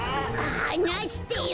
はなしてよ。